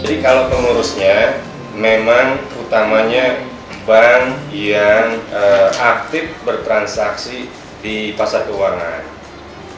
jadi kalau pengurusnya memang utamanya bank yang aktif bertransaksi di pasar keuangan